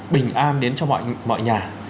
bình an đến cho mọi nhà